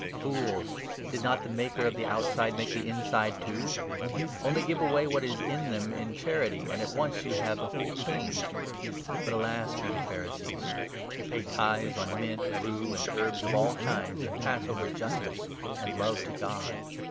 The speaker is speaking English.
Fools ! did not the maker of the out 40 side make the inside too ? Only give away what is in them in 41 charity, and at once you have the whole clean. But alas for 42 you Pharisees ! You pay tithes on mint, rue, and herbs of all kinds, and pass over justice and love to God.